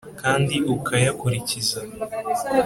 kandi ukayakurikiza,